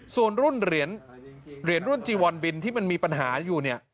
ส่วนรุ่นเหรียญรุ่นจีวอนบินที่มันมีปัญหาอยู่เนี่ย